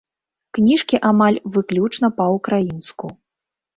Кніжкі амаль выключна па-украінску.